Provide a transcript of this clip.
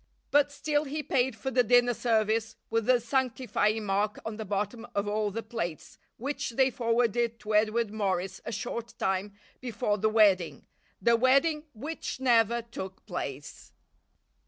But still he paid for the dinner service with the sanctifying mark on the bottom of all the plates, which they forwarded to Edward Morris a short time before the wedding the wedding which never took place.